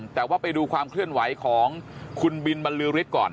แต่ว่าไปดูความเคลื่อนไหวของคุณบินบรรลือฤทธิ์ก่อน